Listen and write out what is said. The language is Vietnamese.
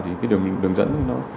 thì cái đường dẫn của nó